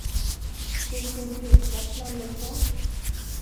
Vilken flygplats landar du på?